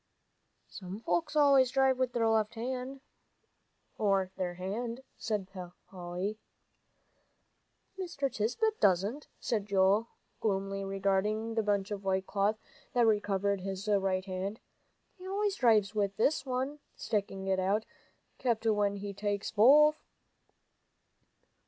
"Some folks always drive with their left hand," said Polly. "Mr. Tisbett doesn't," said Joel, gloomily regarding the bunch of white cloth that covered his right hand. "He always drives with this one," sticking it out, "'cept when he takes both."